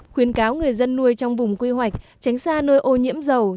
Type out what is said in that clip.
khuyến cáo người dân nuôi trong vùng quy hoạch tránh xa nơi ô nhiễm dầu